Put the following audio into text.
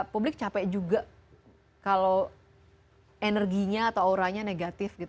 publik capek juga kalau energinya atau auranya negatif gitu